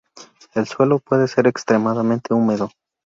El suelo puede ser extremadamente húmedo.